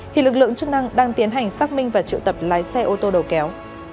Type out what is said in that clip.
hiện lực lượng chức năng đang tiến hành xác minh và triệu tập lái xe ô tô đầu kéo